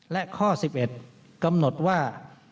และข้อ๑๑กำหนดว่า